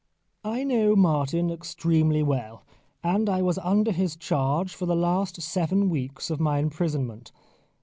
I know Martin extremely well, and I was under his charge for the last seven weeks of my imprisonment.